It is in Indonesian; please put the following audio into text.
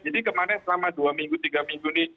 jadi kemana selama dua minggu tiga minggu ini